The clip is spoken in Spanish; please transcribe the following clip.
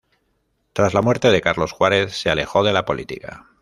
Tras la muerte de Carlos Juárez, se alejó de la política.